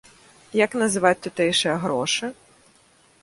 Як называць тутэйшыя грошы?